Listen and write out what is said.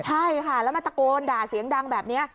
ใช่ค่ะแล้วมาตะโกนด่าเสียงดังแบบนี้